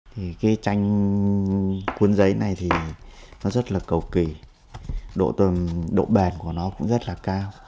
thì cái tranh cuốn giấy này thì nó rất là cầu kỳ độ bền của nó cũng rất là cao